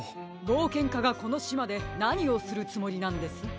ぼうけんかがこのしまでなにをするつもりなんです？